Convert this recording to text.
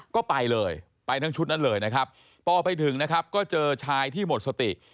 ก็ไปเลยไปทั้งชุดนั้นเลยนะครับพอไปถึงนะครับก็เจอชายที่หมดสติ